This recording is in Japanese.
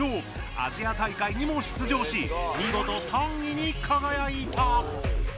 アジア大会にも出場し見事３位に輝いた！